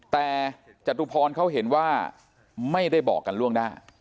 แต่จตุพรเขาเห็นว่าไม่ได้บอกกันล่วงหน้า